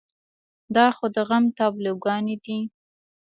دا خو د غم تابلوګانې دي.